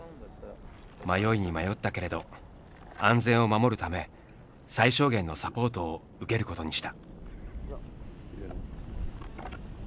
迷いに迷ったけれど安全を守るため最小限のサポートを受けることにした。